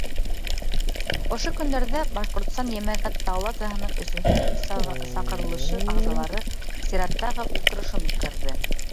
Ошо көндәрҙә Башҡортостан Йәмәғәт палатаһының өсөнсө саҡырылышы ағзалары сираттағы ултырышын үткәрҙе.